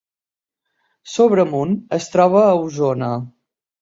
Sobremunt es troba a Osona